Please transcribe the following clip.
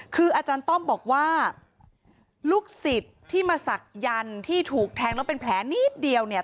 คืออาจารย์ต้อมบอกว่าลูกศิษย์ที่มาศักยันต์ที่ถูกแทงแล้วเป็นแผลนิดเดียวเนี่ย